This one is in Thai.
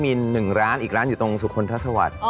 มีหนึ่งร้านอีกร้านอยู่ตรงสุขลทัศวรรษ